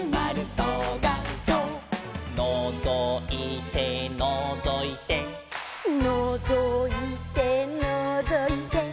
「のぞいてのぞいて」「のぞいてのぞいて」